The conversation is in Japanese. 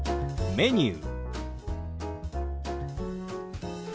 「メニュー」。